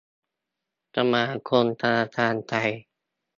สมาคมธนาคารไทย